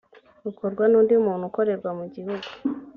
ukorwa n undi muntuukorerwa mu gihugu